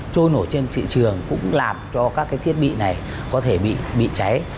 trôi nổi trên thị trường cũng làm cho các thiết bị này có thể bị cháy